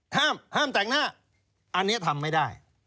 ห้ามแต่งหน้าอันนี้ทำไม่ได้